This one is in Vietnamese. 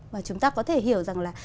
và chúng ta có thể hiểu rằng là